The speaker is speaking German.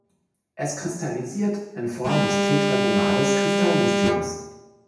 Es kristallisiert in Form des tetragonales Kristallsystems.